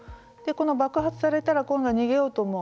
爆発されたら今度は逃げようと思う。